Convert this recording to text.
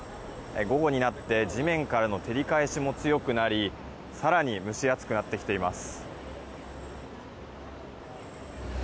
午後になって地面からの照り返しも強くなり更に蒸し暑くなってきています。